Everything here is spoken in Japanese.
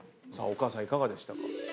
お母さんいかがでしたか？